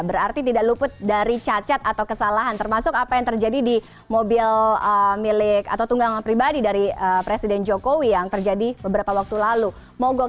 berarti tidak luput dari cacat atau kesalahan termasuk apa yang terjadi di mobil milik atau tunggangan pribadi dari presiden jokowi yang terjadi beberapa waktu lalu mogok